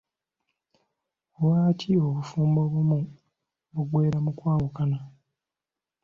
Lwaki obufumbo obumu buggwera mu kwawukana?